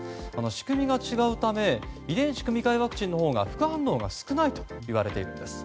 仕組みが違うため遺伝子組み換えワクチンのほうが副反応が少ないといわれているんです。